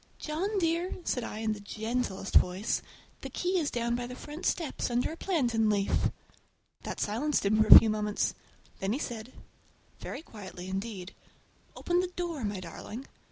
"John dear!" said I in the gentlest voice, "the key is down by the front steps, under a plantain leaf!" That silenced him for a few moments. Then he said—very quietly indeed, "Open the door, my darling!"